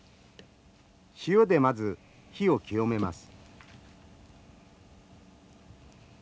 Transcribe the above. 塩でまず火を清めます。